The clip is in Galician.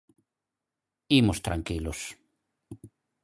Imos tranquilos.